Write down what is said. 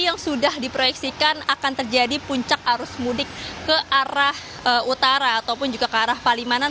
yang sudah diproyeksikan akan terjadi puncak arus mudik ke arah utara ataupun juga ke arah palimanan